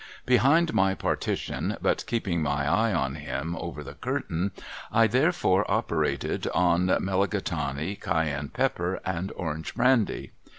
Behind my partition, but keeping my eye on him over the curtain, I therefore operated on Mulligatawny, Cayenne Pepper, and Orange Brandy.